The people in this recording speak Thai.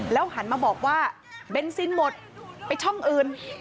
หันมาบอกว่าเบนซินหมดไปช่องอื่น